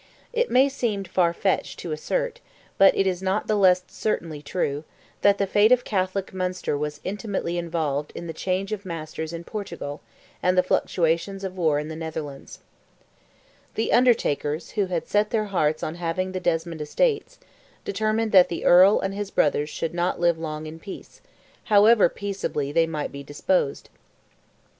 It may seem far fetched to assert, but it is not the less certainly true, that the fate of Catholic Munster was intimately involved in the change of masters in Portugal, and the fluctuations of war in the Netherlands, The "Undertakers," who had set their hearts on having the Desmond estates, determined that the Earl and his brothers should not live long in peace, however peaceably they might be disposed.